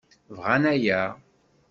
Bɣan aya.